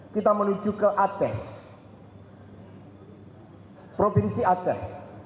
kita menuju ke aceh